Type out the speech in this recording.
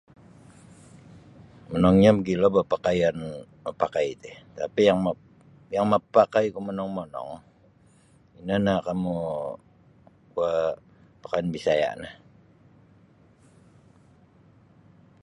Monongnyo mogilo boh pakaian mapakai ti tapi yang yang mapakaiku monong-monong ino no kamu kuo pakaian Bisaya' no.